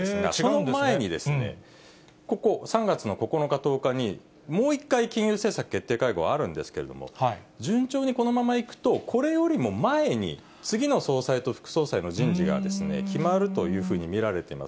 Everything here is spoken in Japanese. それから２人の副総裁の任期は３月の１９日なんですが、その前にここ、３月の９日、１０日に、もう一回金融政策決定会合あるんですけれども、順調にこのままいくと、これよりも前に、次の総裁と副総裁の人事が決まるというふうに見られています。